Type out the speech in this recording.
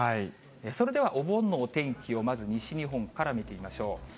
それではお盆のお天気をまず、西日本から見てみましょう。